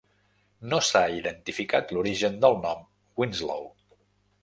No s'ha identificat l'origen del nom Winslow.